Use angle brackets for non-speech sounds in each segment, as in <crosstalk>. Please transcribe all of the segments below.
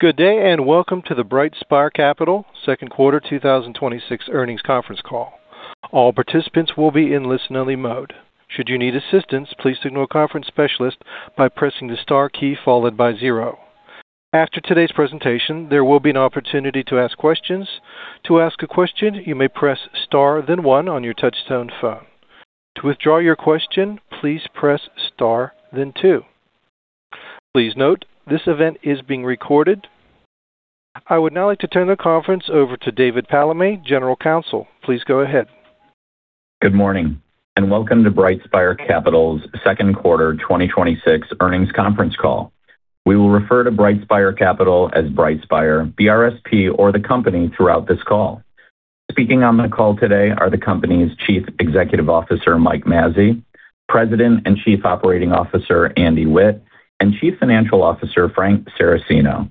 Good day. Welcome to the BrightSpire Capital second quarter 2026 earnings conference call. All participants will be in listen-only mode. Should you need assistance, please signal a conference specialist by pressing the star key followed by zero. After today's presentation, there will be an opportunity to ask questions. To ask a question, you may press star then one on your touchtone phone. To withdraw your question, please press star then two. Please note, this event is being recorded. I would now like to turn the conference over to David Palamé, General Counsel. Please go ahead. Good morning. Welcome to BrightSpire Capital's second quarter 2026 earnings conference call. We will refer to BrightSpire Capital as BrightSpire, BRSP, or the company throughout this call. Speaking on the call today are the company's Chief Executive Officer, Mike Mazzei, President and Chief Operating Officer, Andy Witt, and Chief Financial Officer, Frank Saracino.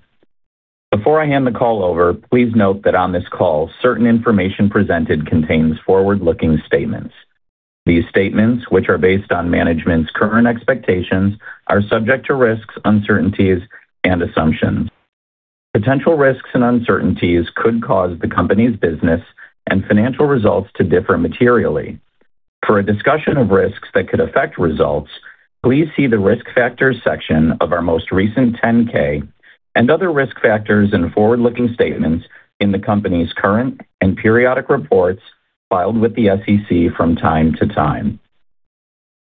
Before I hand the call over, please note that on this call, certain information presented contains forward-looking statements. These statements, which are based on management's current expectations, are subject to risks, uncertainties, and assumptions. Potential risks and uncertainties could cause the company's business and financial results to differ materially. For a discussion of risks that could affect results, please see the Risk Factors section of our most recent 10-K and other risk factors and forward-looking statements in the company's current and periodic reports filed with the SEC from time to time.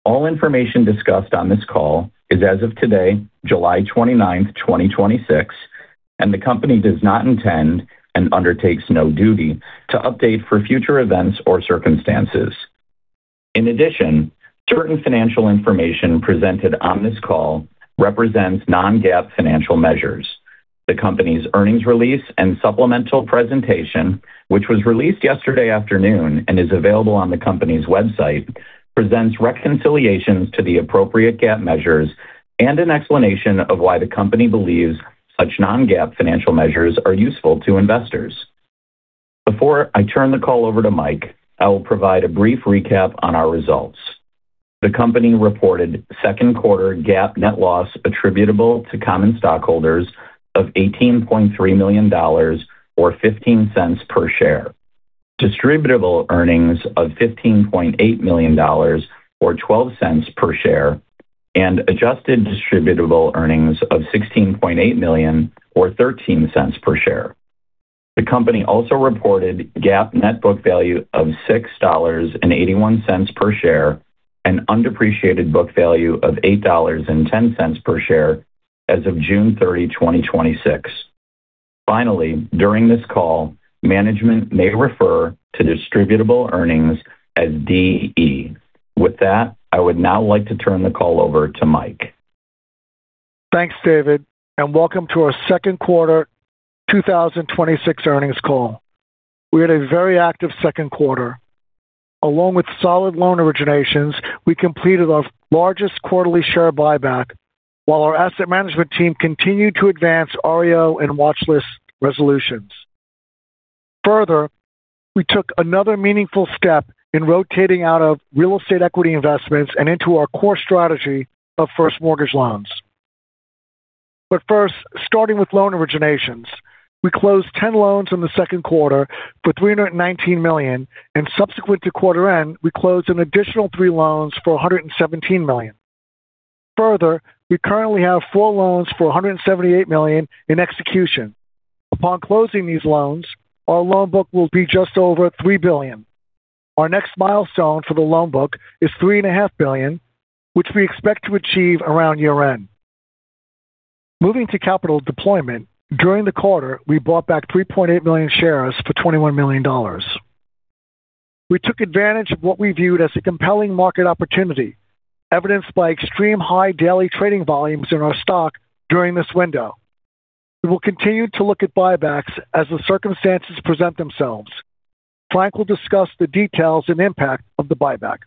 All information discussed on this call is as of today, July 29th, 2026. The company does not intend and undertakes no duty to update for future events or circumstances. In addition, certain financial information presented on this call represents non-GAAP financial measures. The company's earnings release and supplemental presentation, which was released yesterday afternoon and is available on the company's website, presents reconciliations to the appropriate GAAP measures and an explanation of why the company believes such non-GAAP financial measures are useful to investors. Before I turn the call over to Mike, I will provide a brief recap on our results. The company reported second quarter GAAP net loss attributable to common stockholders of $18.3 million, or $0.15 per share, distributable earnings of $15.8 million, or $0.12 per share, and adjusted distributable earnings of $16.8 million, or $0.13 per share. The company also reported GAAP net book value of $6.81 per share and undepreciated book value of $8.10 per share as of June 30th, 2026. Finally, during this call, management may refer to distributable earnings as DE. With that, I would now like to turn the call over to Mike. Thanks, David, and welcome to our second quarter 2026 earnings call. We had a very active second quarter. Along with solid loan originations, we completed our largest quarterly share buyback, while our asset management team continued to advance REO and watchlist resolutions. Further, we took another meaningful step in rotating out of real estate equity investments and into our core strategy of first mortgage loans. First, starting with loan originations, we closed 10 loans in the second quarter for $319 million, and subsequent to quarter end, we closed an additional three loans for $117 million. Further, we currently have four loans for $178 million in execution. Upon closing these loans, our loan book will be just over $3 billion. Our next milestone for the loan book is $3.5 billion, which we expect to achieve around year-end. Moving to capital deployment, during the quarter, we bought back 3.8 million shares for $21 million. We took advantage of what we viewed as a compelling market opportunity, evidenced by extreme high daily trading volumes in our stock during this window. We will continue to look at buybacks as the circumstances present themselves. Frank will discuss the details and impact of the buyback.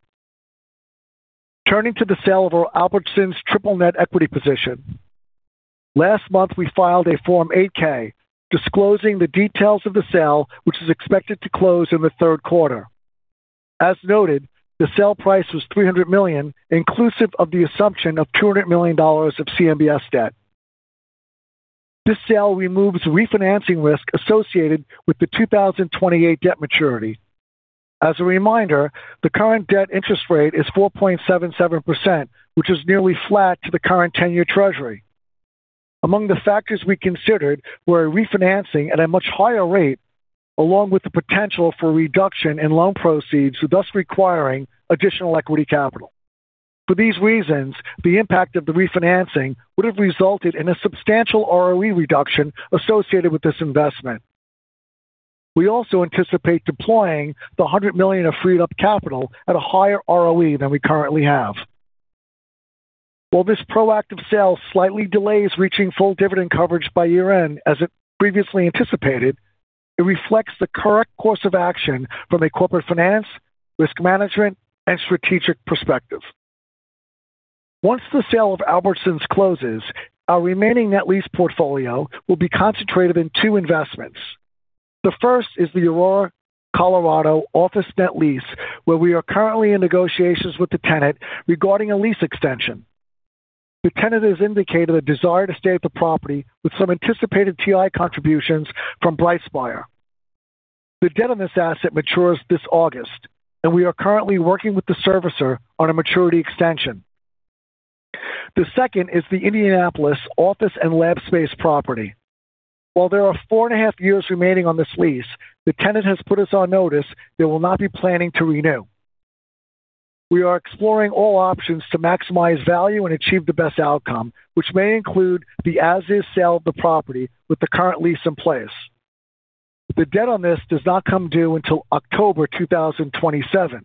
Turning to the sale of our Albertsons triple-net equity position. Last month, we filed a Form 8-K disclosing the details of the sale, which is expected to close in the third quarter. As noted, the sale price was $300 million, inclusive of the assumption of $200 million of CMBS debt. This sale removes refinancing risk associated with the 2028 debt maturity. As a reminder, the current debt interest rate is 4.77%, which is nearly flat to the current 10-year treasury. Among the factors we considered were refinancing at a much higher rate, along with the potential for a reduction in loan proceeds, thus requiring additional equity capital. For these reasons, the impact of the refinancing would have resulted in a substantial ROE reduction associated with this investment. We also anticipate deploying the $100 million of freed-up capital at a higher ROE than we currently have. While this proactive sale slightly delays reaching full dividend coverage by year-end as previously anticipated, it reflects the correct course of action from a corporate finance, risk management, and strategic perspective. Once the sale of Albertsons closes, our remaining net lease portfolio will be concentrated in two investments. The first is the Aurora, Colorado office net lease, where we are currently in negotiations with the tenant regarding a lease extension. The tenant has indicated a desire to stay at the property with some anticipated TI contributions from BrightSpire. The debt on this asset matures this August, and we are currently working with the servicer on a maturity extension. The second is the Indianapolis office and lab space property. While there are four and a half years remaining on this lease, the tenant has put us on notice they will not be planning to renew. We are exploring all options to maximize value and achieve the best outcome, which may include the as-is sale of the property with the current lease in place. The debt on this does not come due until October 2027.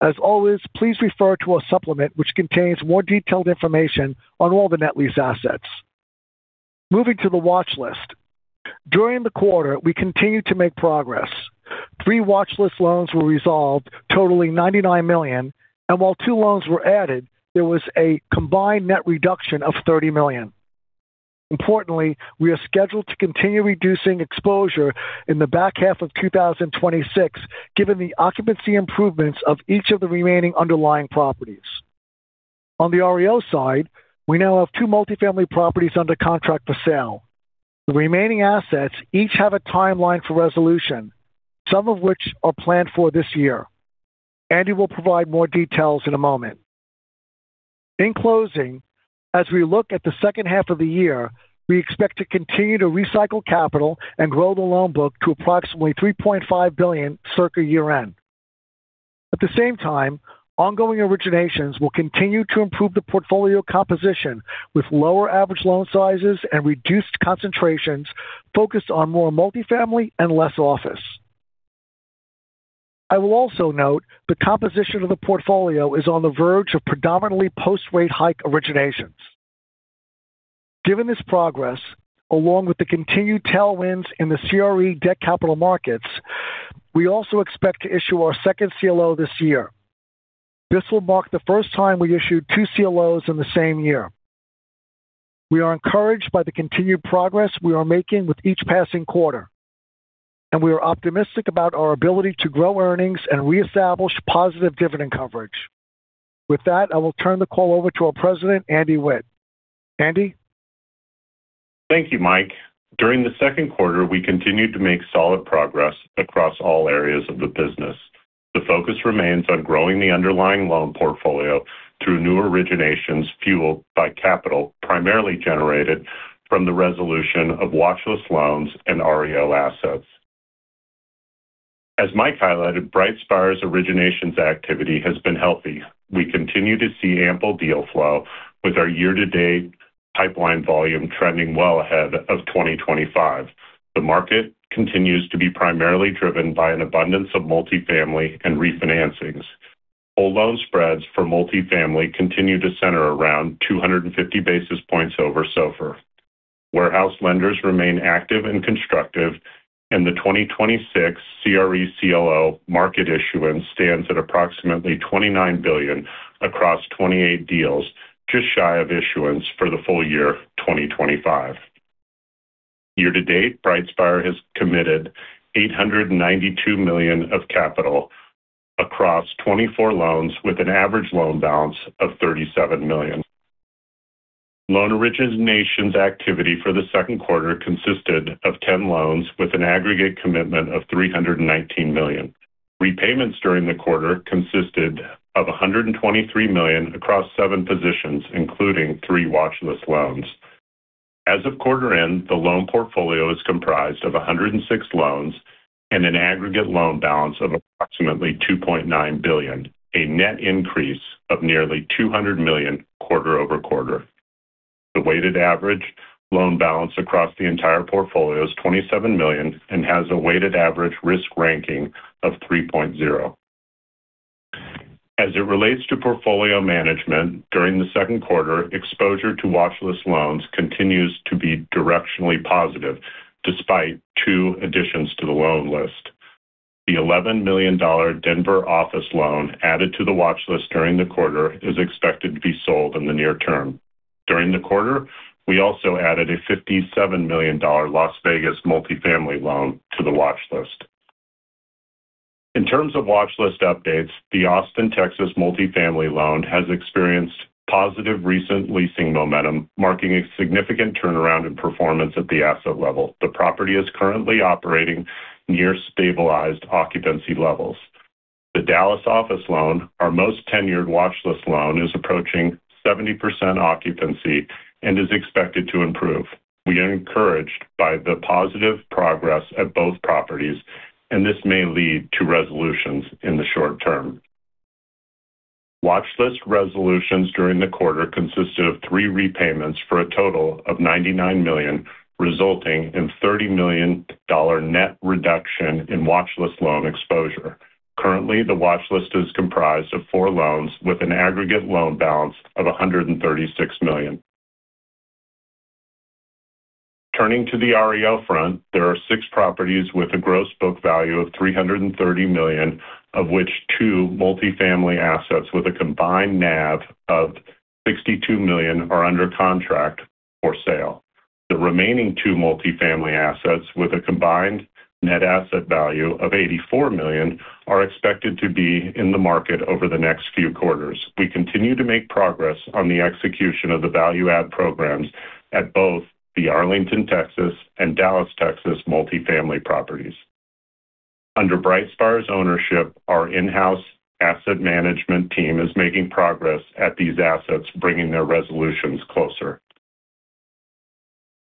As always, please refer to our supplement, which contains more detailed information on all the net lease assets. Moving to the watch list. During the quarter, we continued to make progress. Three watch list loans were resolved, totaling $99 million, and while two loans were added, there was a combined net reduction of $30 million. Importantly, we are scheduled to continue reducing exposure in the back half of 2026, given the occupancy improvements of each of the remaining underlying properties. On the REO side, we now have two multifamily properties under contract for sale. The remaining assets each have a timeline for resolution, some of which are planned for this year. Andy will provide more details in a moment. In closing, as we look at the second half of the year, we expect to continue to recycle capital and grow the loan book to approximately $3.5 billion circa year-end. At the same time, ongoing originations will continue to improve the portfolio composition with lower average loan sizes and reduced concentrations focused on more multifamily and less office. I will also note the composition of the portfolio is on the verge of predominantly post-rate hike originations. Given this progress, along with the continued tailwinds in the CRE debt capital markets, we also expect to issue our second CLO this year. This will mark the first time we issued two CLOs in the same year. We are encouraged by the continued progress we are making with each passing quarter, and we are optimistic about our ability to grow earnings and reestablish positive dividend coverage. With that, I will turn the call over to our President, Andy Witt. Andy? Thank you, Mike. During the second quarter, we continued to make solid progress across all areas of the business. The focus remains on growing the underlying loan portfolio through new originations fueled by capital, primarily generated from the resolution of watchlist loans and REO assets. As Mike highlighted, BrightSpire's originations activity has been healthy. We continue to see ample deal flow with our year-to-date pipeline volume trending well ahead of 2025. The market continues to be primarily driven by an abundance of multifamily and refinancings. Whole loan spreads for multifamily continue to center around 250 basis points over SOFR. Warehouse lenders remain active and constructive, and the 2026 CRE CLO market issuance stands at approximately $29 billion across 28 deals, just shy of issuance for the full year 2025. Year to date, BrightSpire has committed $892 million of capital across 24 loans with an average loan balance of $37 million. Loan originations activity for the second quarter consisted of 10 loans with an aggregate commitment of $319 million. Repayments during the quarter consisted of $123 million across seven positions, including three watchlist loans. As of quarter end, the loan portfolio is comprised of 106 loans and an aggregate loan balance of approximately $2.9 billion, a net increase of nearly $200 million quarter-over-quarter. The weighted average loan balance across the entire portfolio is $27 million and has a weighted average risk ranking of 3.0. As it relates to portfolio management, during the second quarter, exposure to watchlist loans continues to be directionally positive despite two additions to the loan list. The $11 million Denver office loan added to the watchlist during the quarter is expected to be sold in the near term. During the quarter, we also added a $57 million Las Vegas multifamily loan to the watchlist. In terms of watchlist updates, the Austin, Texas multifamily loan has experienced positive recent leasing momentum, marking a significant turnaround in performance at the asset level. The property is currently operating near stabilized occupancy levels. The Dallas office loan, our most tenured watchlist loan, is approaching 70% occupancy and is expected to improve. We are encouraged by the positive progress at both properties, and this may lead to resolutions in the short term. Watchlist resolutions during the quarter consisted of three repayments for a total of $99 million, resulting in $30 million net reduction in watchlist loan exposure. Currently, the watchlist is comprised of four loans with an aggregate loan balance of $136 million. Turning to the REO front, there are six properties with a gross book value of $330 million, of which two multifamily assets with a combined NAV of $62 million are under contract for sale. The remaining two multifamily assets with a combined net asset value of $84 million are expected to be in the market over the next few quarters. We continue to make progress on the execution of the value add programs at both the Arlington, Texas, and Dallas, Texas, multifamily properties. Under BrightSpire's ownership, our in-house asset management team is making progress at these assets, bringing their resolutions closer.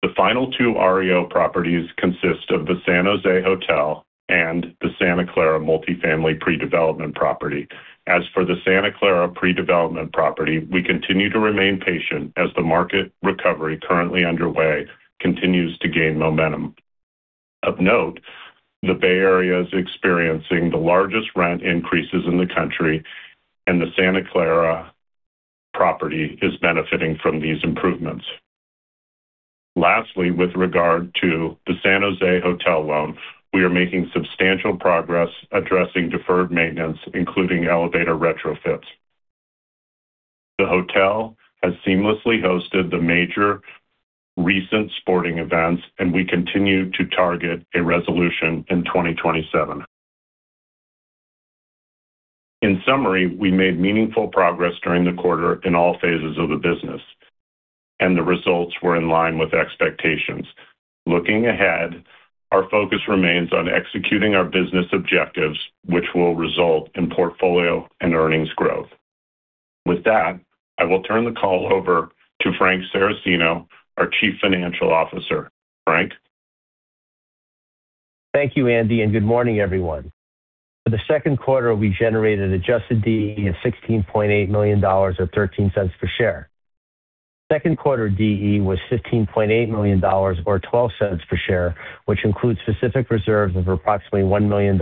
The final two REO properties consist of the San Jose Hotel and the Santa Clara multifamily pre-development property. As for the Santa Clara pre-development property, we continue to remain patient as the market recovery currently underway continues to gain momentum. Of note, the Bay Area is experiencing the largest rent increases in the country, and the Santa Clara property is benefiting from these improvements. Lastly, with regard to the San Jose hotel loan, we are making substantial progress addressing deferred maintenance, including elevator retrofits. The hotel has seamlessly hosted the major recent sporting events, and we continue to target a resolution in 2027. In summary, we made meaningful progress during the quarter in all phases of the business, and the results were in line with expectations. Looking ahead, our focus remains on executing our business objectives, which will result in portfolio and earnings growth. With that, I will turn the call over to Frank Saracino, our Chief Financial Officer. Frank. Thank you, Andy, and good morning, everyone. For the second quarter, we generated adjusted DE of $16.8 million, or $0.13 per share. Second quarter DE was $15.8 million, or $0.12 per share, which includes specific reserves of approximately $1 million.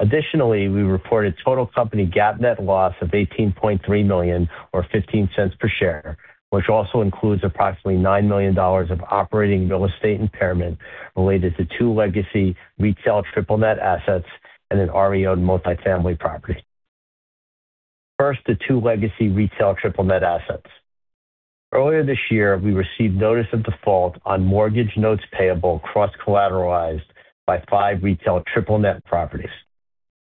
Additionally, we reported total company GAAP net loss of $18.3 million, or $0.15 per share, which also includes approximately $9 million of operating real estate impairment related to two legacy retail triple-net assets and an REO multifamily property. First, the two legacy retail triple-net assets. Earlier this year, we received notice of default on mortgage notes payable cross-collateralized by five retail triple-net properties.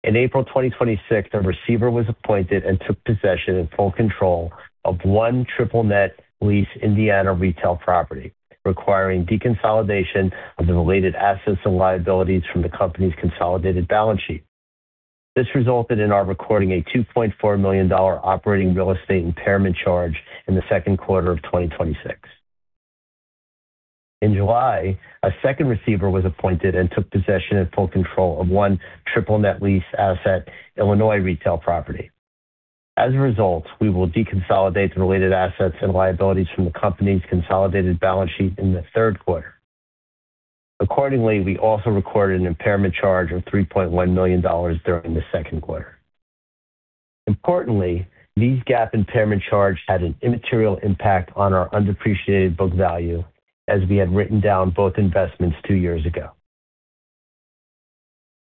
In April 2026, a receiver was appointed and took possession and full control of one triple-net lease Indiana retail property, requiring deconsolidation of the related assets and liabilities from the company's consolidated balance sheet. This resulted in our recording a $2.4 million operating real estate impairment charge in the second quarter of 2026. In July, a second receiver was appointed and took possession and full control of one triple-net lease asset Illinois retail property. As a result, we will deconsolidate the related assets and liabilities from the company's consolidated balance sheet in the third quarter. Accordingly, we also recorded an impairment charge of $3.1 million during the second quarter. Importantly, these GAAP impairment charge had an immaterial impact on our undepreciated book value as we had written down both investments two years ago.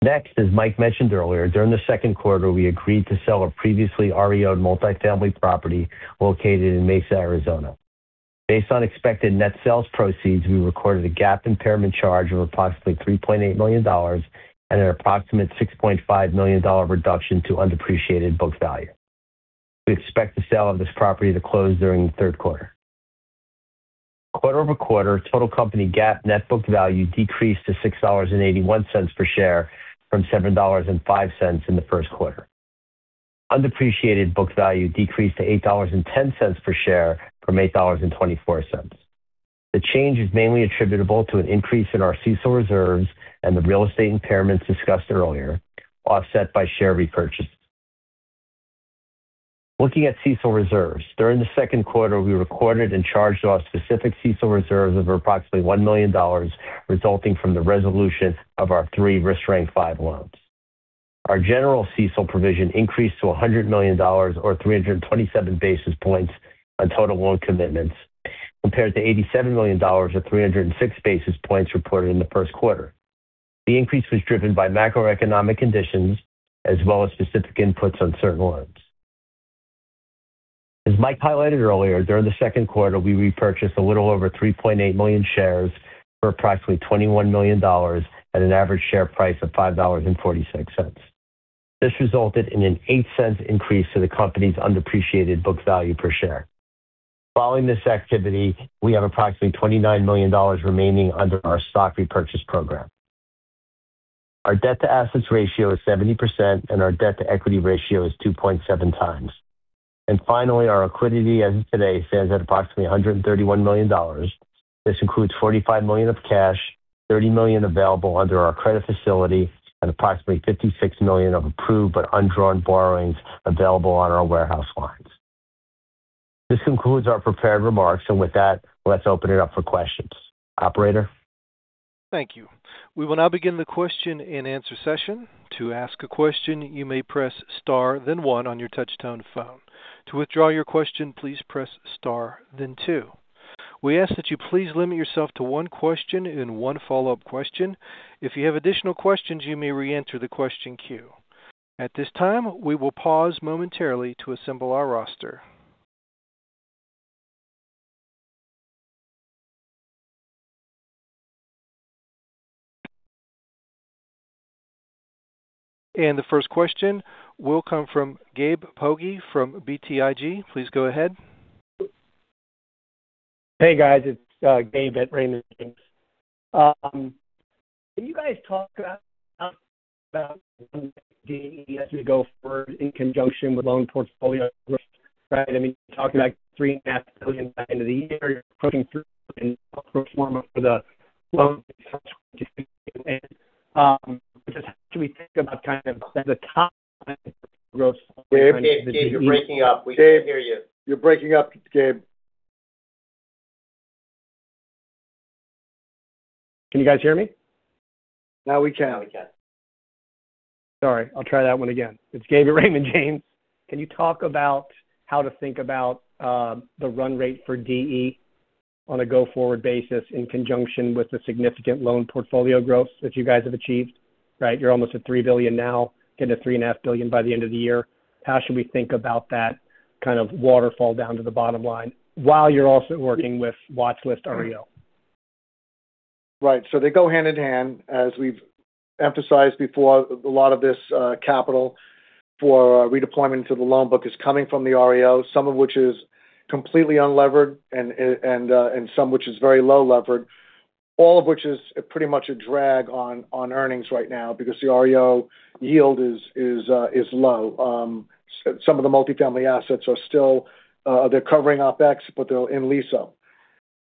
As Mike mentioned earlier, during the second quarter, we agreed to sell a previously REO multifamily property located in Mesa, Arizona. Based on expected net sales proceeds, we recorded a GAAP impairment charge of approximately $3.8 million and an approximate $6.5 million reduction to undepreciated book value. We expect the sale of this property to close during the third quarter. Quarter-over-quarter total company GAAP net book value decreased to $6.81 per share from $7.05 in the first quarter. Undepreciated book value decreased to $8.10 per share from $8.24. The change is mainly attributable to an increase in our CECL reserves and the real estate impairments discussed earlier, offset by share repurchases. Looking at CECL reserves, during the second quarter, we recorded and charged off specific CECL reserves of approximately $1 million resulting from the resolution of our three Risk Rank Five loans. Our general CECL provision increased to $100 million, or 327 basis points on total loan commitments, compared to $87 million, or 306 basis points reported in the first quarter. The increase was driven by macroeconomic conditions as well as specific inputs on certain loans. As Mike highlighted earlier, during the second quarter, we repurchased a little over 3.8 million shares for approximately $21 million at an average share price of $5.46. This resulted in an $0.08 increase to the company's undepreciated book value per share. Following this activity, we have approximately $29 million remaining under our stock repurchase program. Our debt to assets ratio is 70%, and our debt to equity ratio is 2.7x. Finally, our liquidity as of today stands at approximately $131 million. This includes $45 million of cash, $30 million available under our credit facility, and approximately $56 million of approved but undrawn borrowings available on our warehouse lines. This concludes our prepared remarks, and with that, let's open it up for questions. Operator. Thank you. We will now begin the question and answer session. To ask a question, you may press star then one on your touchtone phone. To withdraw your question, please press star then two. We ask that you please limit yourself to one question and one follow-up question. If you have additional questions, you may reenter the question queue. At this time, we will pause momentarily to assemble our roster. The first question will come from Gabriel Poggi from BTIG. Please go ahead. Hey, guys. It's Gabe at Raymond James. Can you guys talk about. <audio distortion> Gabe. Gabe, you're breaking up. We can't hear you. You're breaking up, Gabe. Can you guys hear me? Now we can. Now we can. Sorry. I'll try that one again. It's Gabe at Raymond James. Can you talk about how to think about the run rate for DE on a go-forward basis in conjunction with the significant loan portfolio growth that you guys have achieved, right? You're almost at $3 billion now, getting to $3.5 billion by the end of the year. How should we think about that kind of waterfall down to the bottom line while you're also working with watchlist REO? Right. They go hand in hand. As we've emphasized before, a lot of this capital for redeployment into the loan book is coming from the REO, some of which is completely unlevered and some which is very low levered, all of which is pretty much a drag on earnings right now because the REO yield is low. Some of the multifamily assets are still, they're covering OpEx, but they're in lease-up.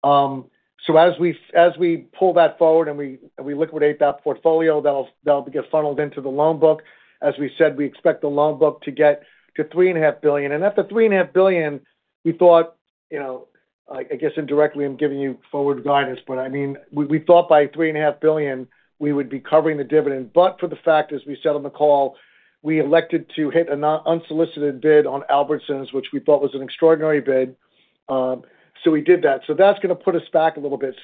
As we pull that forward and we liquidate that portfolio, that'll get funneled into the loan book. As we said, we expect the loan book to get to $3.5 billion. At the $3.5 billion, we thought, I guess indirectly I'm giving you forward guidance, but we thought by $3.5 billion we would be covering the dividend. For the fact, as we said on the call, we elected to hit an unsolicited bid on Albertsons, which we thought was an extraordinary bid. We did that. That's going to put us back a little bit.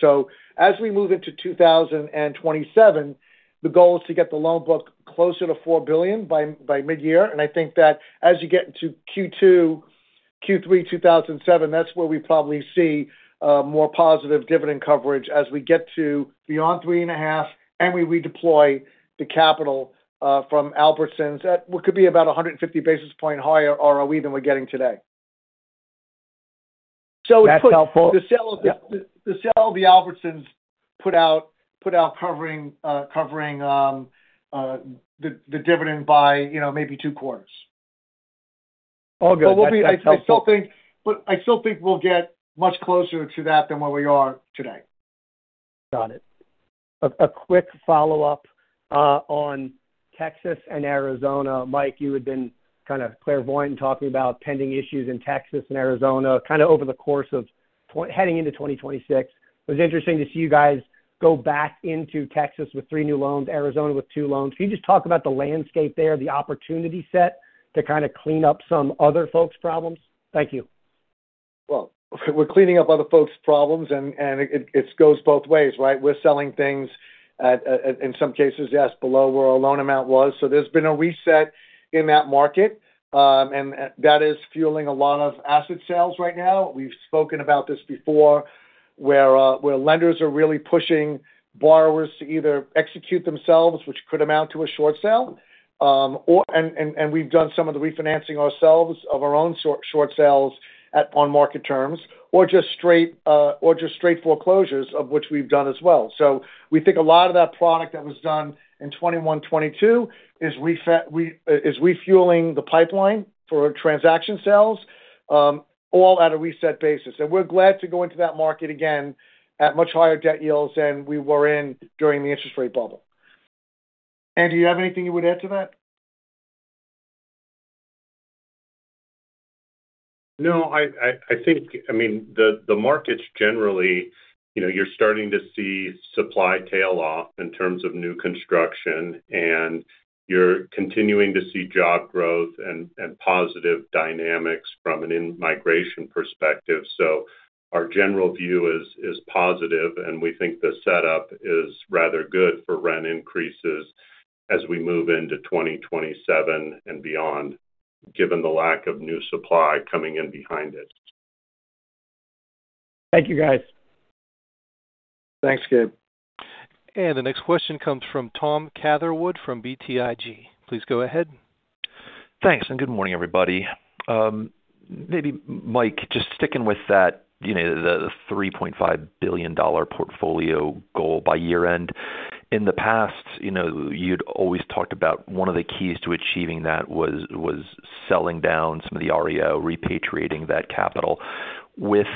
As we move into 2027, the goal is to get the loan book closer to $4 billion by mid-year. I think that as you get into Q2, Q3 2027, that's where we probably see more positive dividend coverage as we get to beyond three and a half, and we redeploy the capital from Albertsons at what could be about 150 basis points higher ROE than we're getting today. That's helpful. The sale of the Albertsons put out covering the dividend by maybe two quarters. All good. That's helpful. I still think we'll get much closer to that than where we are today. Got it. A quick follow-up on Texas and Arizona. Mike, you had been kind of clairvoyant in talking about pending issues in Texas and Arizona, kind of over the course of heading into 2026. It was interesting to see you guys go back into Texas with three new loans, Arizona with two loans. Can you just talk about the landscape there, the opportunity set to kind of clean up some other folks' problems? Thank you. We're cleaning up other folks' problems, and it goes both ways, right? We're selling things at, in some cases, yes, below where our loan amount was. There's been a reset in that market, and that is fueling a lot of asset sales right now. We've spoken about this before, where lenders are really pushing borrowers to either execute themselves, which could amount to a short sale, and we've done some of the refinancing ourselves of our own short sales on market terms, or just straight foreclosures, of which we've done as well. We think a lot of that product that was done in 2021/2022 is refueling the pipeline for transaction sales, all at a reset basis. We're glad to go into that market again at much higher debt yields than we were in during the interest rate bubble. Andy, you have anything you would add to that? No. The markets generally, you're starting to see supply tail off in terms of new construction, and you're continuing to see job growth and positive dynamics from an in-migration perspective. Our general view is positive, and we think the setup is rather good for rent increases as we move into 2027 and beyond, given the lack of new supply coming in behind it. Thank you, guys. Thanks, Gabe The next question comes from Tom Catherwood from BTIG. Please go ahead. Thanks. Good morning, everybody. Mike, just sticking with that, the $3.5 billion portfolio goal by year-end. In the past, you'd always talked about one of the keys to achieving that was selling down some of the REO, repatriating that capital. With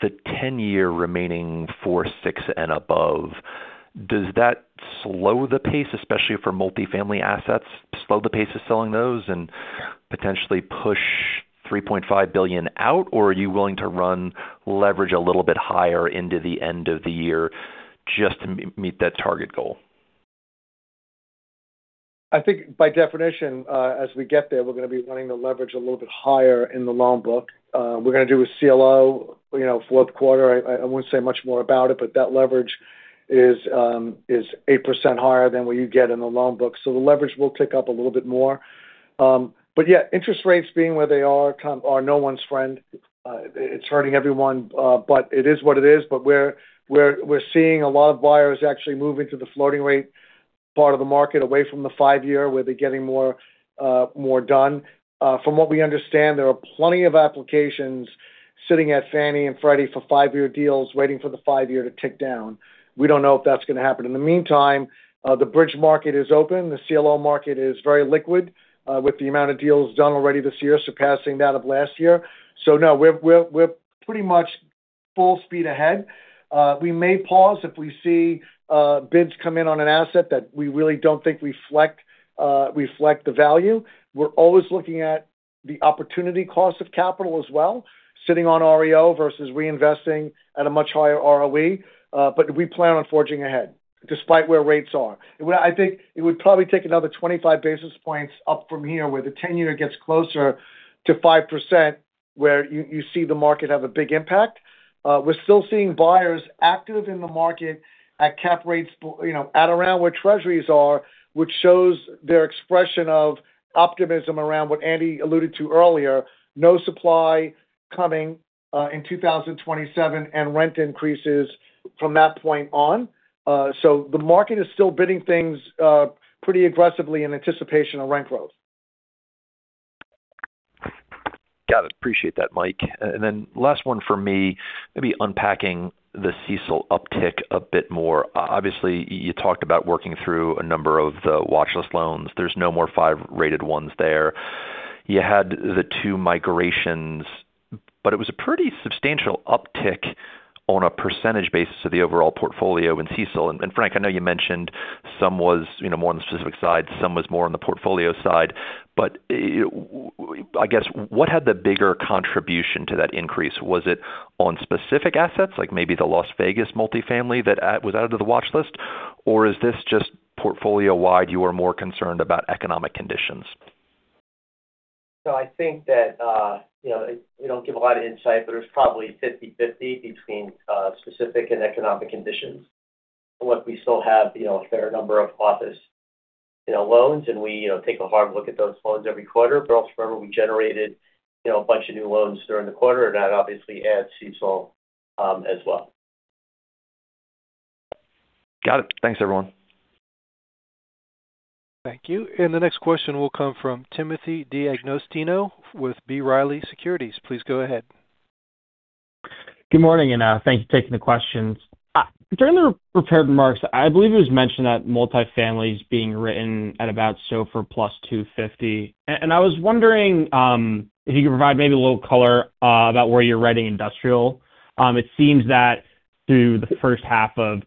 the 10-year remaining for six and above, does that slow the pace, especially for multifamily assets, slow the pace of selling those and potentially push $3.5 billion out, or are you willing to run leverage a little bit higher into the end of the year just to meet that target goal? I think by definition, as we get there, we're going to be running the leverage a little bit higher in the loan book. We're going to do a CLO fourth quarter. I won't say much more about it, that leverage is 8% higher than what you get in the loan book. The leverage will tick up a little bit more. Yeah, interest rates being where they are are no one's friend. It's hurting everyone, but it is what it is. We're seeing a lot of buyers actually move into the floating rate part of the market, away from the five-year, where they're getting more done. From what we understand, there are plenty of applications sitting at Fannie and Freddie for five-year deals, waiting for the five-year to tick down. We don't know if that's going to happen. In the meantime, the bridge market is open. The CLO market is very liquid, with the amount of deals done already this year surpassing that of last year. No, we're pretty much full speed ahead. We may pause if we see bids come in on an asset that we really don't think reflect the value. We're always looking at the opportunity cost of capital as well, sitting on REO versus reinvesting at a much higher ROE. We plan on forging ahead despite where rates are. I think it would probably take another 25 basis points up from here, where the 10-year gets closer to 5%, where you see the market have a big impact. We're still seeing buyers active in the market at cap rates, at around where Treasuries are, which shows their expression of optimism around what Andy alluded to earlier, no supply coming in 2027 and rent increases from that point on. The market is still bidding things pretty aggressively in anticipation of rent growth. Got it. Appreciate that, Mike. Last one for me, maybe unpacking the CECL uptick a bit more. Obviously, you talked about working through a number of the watchlist loans. There's no more five-rated ones there. You had the two migrations, but it was a pretty substantial uptick on a percentage basis of the overall portfolio in CECL. Frank, I know you mentioned some was more on the specific side, some was more on the portfolio side. I guess, what had the bigger contribution to that increase? Was it on specific assets, like maybe the Las Vegas multifamily that was out of the watchlist? Or is this just portfolio-wide, you are more concerned about economic conditions? I think that, we don't give a lot of insight, but it was probably 50/50 between specific and economic conditions. Look, we still have a fair number of office loans, and we take a hard look at those loans every quarter. Also remember, we generated a bunch of new loans during the quarter, and that obviously adds CECL as well. Got it. Thanks, everyone. Thank you. The next question will come from Timothy D'Agostino with B. Riley Securities. Please go ahead. Good morning, and thank you for taking the questions. During the prepared remarks, I believe it was mentioned that multifamily is being written at about SOFR plus 250, and I was wondering if you could provide maybe a little color about where you're writing industrial. It seems that through the first half of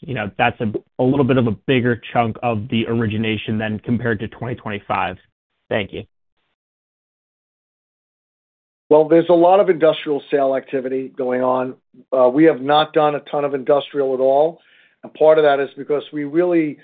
2026, that's a little bit of a bigger chunk of the origination than compared to 2025. Thank you. Well, there's a lot of industrial sale activity going on. We have not done a ton of industrial at all. Part of that is because we really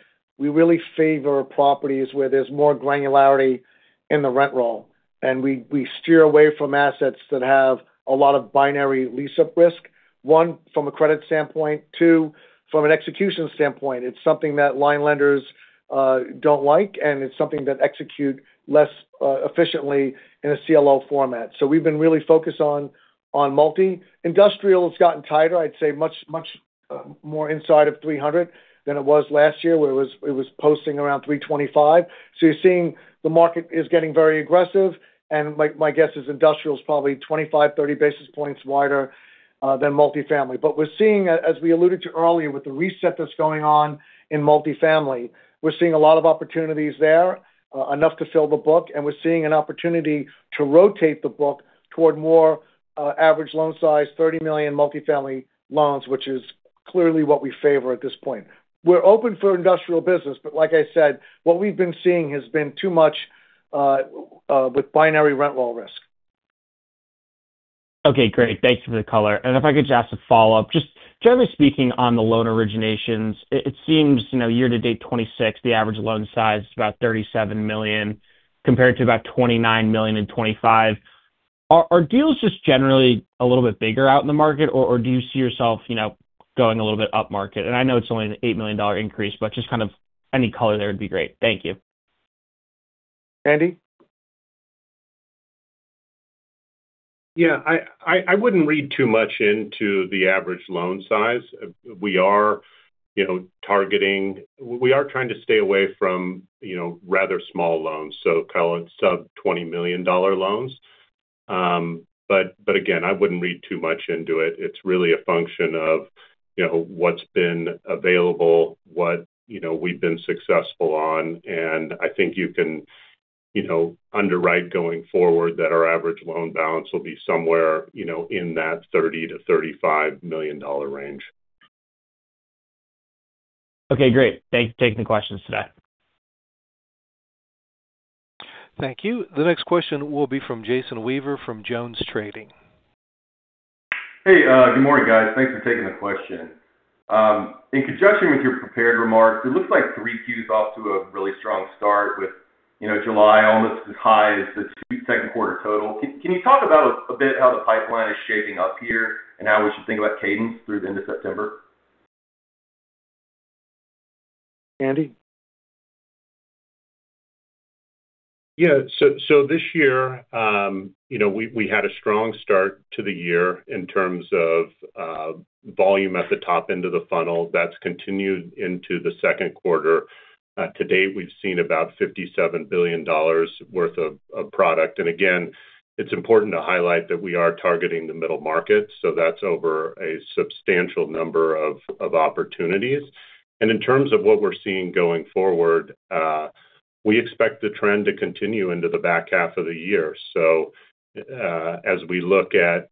favor properties where there's more granularity in the rent roll. We steer away from assets that have a lot of binary lease-up risk. One, from a credit standpoint, two, from an execution standpoint. It's something that line lenders don't like, and it's something that execute less efficiently in a CLO format. We've been really focused on multi. Industrial has gotten tighter, I'd say much more inside of 300 than it was last year, where it was posting around 325. You're seeing the market is getting very aggressive, and my guess is industrial is probably 25, 30 basis points wider than multifamily. We're seeing, as we alluded to earlier, with the reset that's going on in multifamily, we're seeing a lot of opportunities there, enough to fill the book, and we're seeing an opportunity to rotate the book toward more average loan size, $30 million multifamily loans, which is clearly what we favor at this point. We're open for industrial business, but like I said, what we've been seeing has been too much with binary rent roll risk. Okay, great. Thanks for the color. If I could just ask a follow-up. Just generally speaking on the loan originations, it seems year to date 2026, the average loan size is about $37 million compared to about $29 million in 2025. Are deals just generally a little bit bigger out in the market, or do you see yourself going a little bit upmarket? I know it's only an $8 million increase, but just kind of any color there would be great. Thank you. Andy? Yeah. I wouldn't read too much into the average loan size. We are trying to stay away from rather small loans, call it sub $20 million loans. Again, I wouldn't read too much into it. It's really a function of what's been available, what we've been successful on. I think you can underwrite going forward that our average loan balance will be somewhere in that $30 million-$35 million range. Okay, great. Thanks for taking the questions today. Thank you. The next question will be from Jason Weaver from JonesTrading. Hey, good morning, guys. Thanks for taking the question. In conjunction with your prepared remarks, it looks like Q3 is off to a really strong start with July, almost as high as the second quarter total. Can you talk about a bit how the pipeline is shaping up here, and how we should think about cadence through the end of September? Andy? Yeah. This year, we had a strong start to the year in terms of volume at the top end of the funnel. That's continued into the second quarter. To date, we've seen about $57 billion worth of product. Again, it's important to highlight that we are targeting the middle market, so that's over a substantial number of opportunities. In terms of what we're seeing going forward, we expect the trend to continue into the back half of the year. As we look at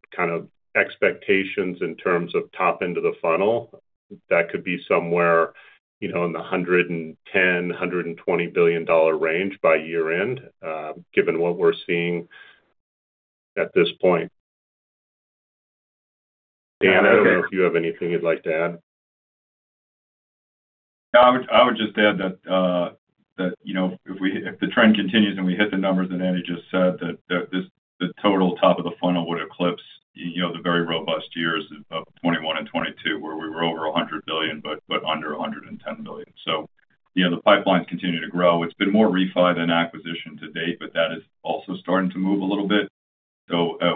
expectations in terms of top end of the funnel, that could be somewhere in the $110 billion-$120 billion range by year-end, given what we're seeing at this point. Dan, I don't know if you have anything you'd like to add. No, I would just add that if the trend continues and we hit the numbers that Andy just said, that the total top of the funnel would eclipse the very robust years of 2021 and 2022 where we were over $100 billion but under $110 billion. Yeah, the pipelines continue to grow. It's been more refi than acquisition to date, but that is also starting to move a little bit.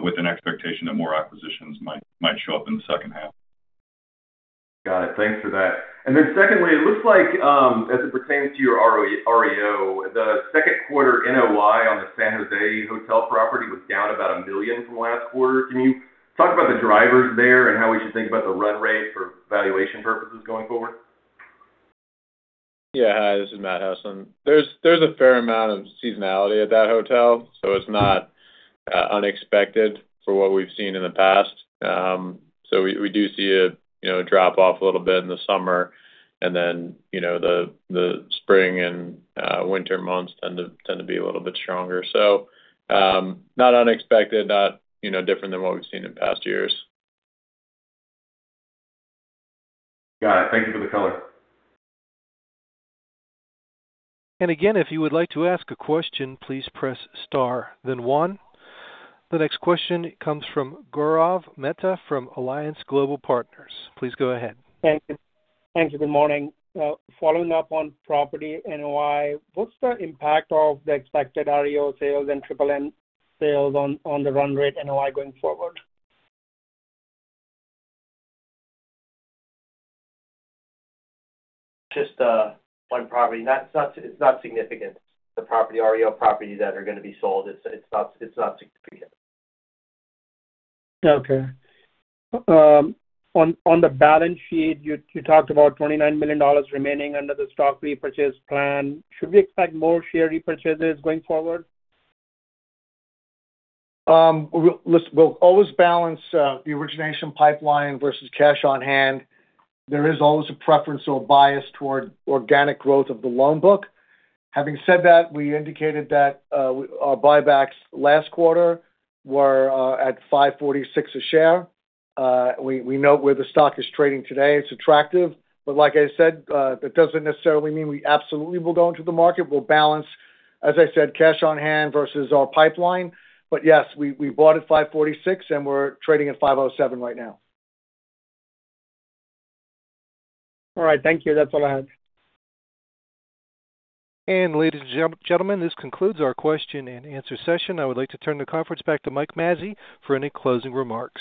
With an expectation that more acquisitions might show up in the second half. Got it. Thanks for that. Secondly, it looks like, as it pertains to your REO, the second quarter NOI on the San Jose hotel property was down about $1 million from last quarter. Can you talk about the drivers there, and how we should think about the run rate for valuation purposes going forward? Yeah. Hi, this is Matt Heslin. There's a fair amount of seasonality at that hotel, it's not unexpected for what we've seen in the past. We do see a drop off a little bit in the summer, and then the spring and winter months tend to be a little bit stronger. Not unexpected, not different than what we've seen in past years. Got it. Thank you for the color. Again, if you would like to ask a question, please press star then one. The next question comes from Gaurav Mehta from Alliance Global Partners. Please go ahead. Thank you. Good morning. Following up on property NOI, what's the impact of the expected REO sales and triple-net sales on the run rate NOI going forward? Just one property. It's not significant. The REO properties that are going to be sold, it's not significant. Okay. On the balance sheet, you talked about $29 million remaining under the stock repurchase plan. Should we expect more share repurchases going forward? We'll always balance the origination pipeline versus cash on hand. There is always a preference or a bias toward organic growth of the loan book. Having said that, we indicated that our buybacks last quarter were at $546 a share. We note where the stock is trading today. It's attractive, but like I said, that doesn't necessarily mean we absolutely will go into the market. We'll balance, as I said, cash on hand versus our pipeline. Yes, we bought at $546, and we're trading at $507 right now. All right. Thank you. That's all I had. Ladies and gentlemen, this concludes our question and answer session. I would like to turn the conference back to Mike Mazzei for any closing remarks.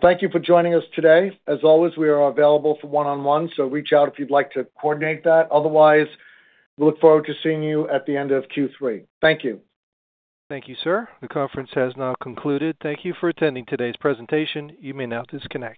Thank you for joining us today. As always, we are available for one-on-one, so reach out if you'd like to coordinate that. Otherwise, we look forward to seeing you at the end of Q3. Thank you. Thank you, sir. The conference has now concluded. Thank you for attending today's presentation. You may now disconnect.